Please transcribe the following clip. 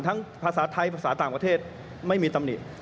ภาษาไทยภาษาต่างประเทศไม่มีตำหนิ